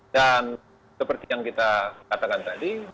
dan seperti yang kita katakan tadi